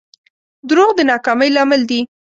دروغ د ناکامۍ لامل دي.